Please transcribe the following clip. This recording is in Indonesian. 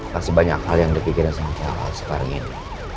pasti banyak hal yang di pikirkan sama pak al sekarang ini